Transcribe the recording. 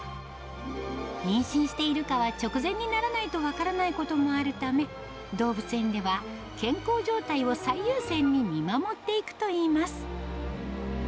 妊娠しているかは直前にならないと分からないことがあるため、動物園では健康状態を最優先に見守っていくといいます。